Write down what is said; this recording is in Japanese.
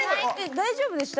大丈夫でした？